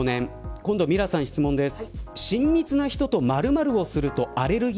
今度はミラさんに質問です。